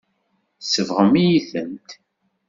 Tsebɣem-iyi-tent.